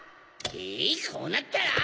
えいこうなったら。